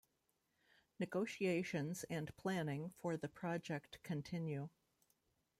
Negotiations and planning for the project continue.